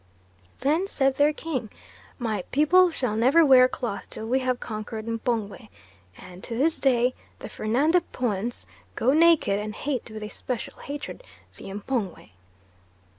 Then said their King, 'My people shall never wear cloth till we have conquered the M'pongwe,' and to this day the Fernando Poians go naked and hate with a special hatred the M'pongwe."